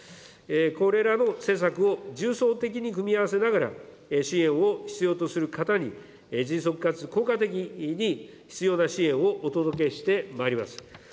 これらの施策を重層的に組み合わせながら、支援を必要とする方に、迅速かつ効果的に、必要な支援をお届けしてまいります。